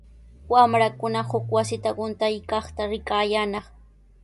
Wamrakuna huk wasita quntaykaqta rikayaanaq.